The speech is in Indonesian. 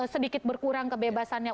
sedikit berkurang kebebasannya